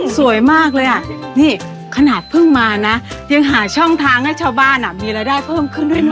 สวยมากเลยอ่ะนี่ขนาดเพิ่งมานะยังหาช่องทางให้ชาวบ้านมีรายได้เพิ่มขึ้นด้วยนะ